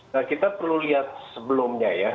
nah kita perlu lihat sebelumnya ya